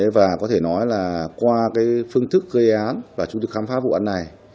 và có thể nói là qua phương thức gây án và chúng tôi khám phá vụ án này